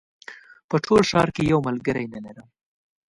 په ټول ښار کې یو ملګری نه لرم